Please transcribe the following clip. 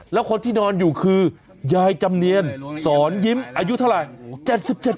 แล้วคนที่นอนอยู่คือยายจำเนียนสอนยิ้มอายุเท่าไหร่